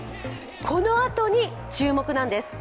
このあとに注目なんです！